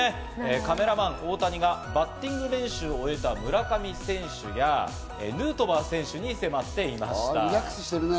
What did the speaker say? カメラマン大谷がバッティング練習を終えた村上選手やヌートバー選手に迫っていました。